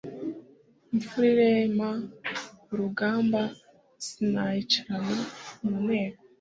imfura irema urugamba sinayicarana mu nteko